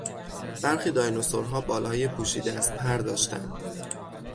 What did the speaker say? برخی دایناسورها بالهای پوشیده از پر داشتند.